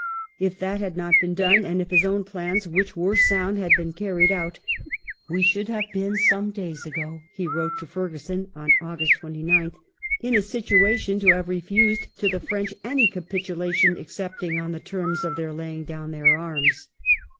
If that had not been done, and if his own plans, which were sound, had been carried out, " we should have been some days ago," he wrote to Fer guson on August 29th, " in a situation to have refused to the French any capitulation excepting on the terms of their laying down their arms."